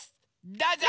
どうぞ！